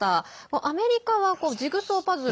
アメリカはジグソーパズル